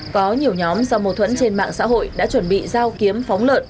có nhiều nhóm do mâu thuẫn trên mạng xã hội đã chuẩn bị giao kiếm phóng lợn